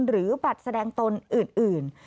หรือบัตรแสดงตนอื่น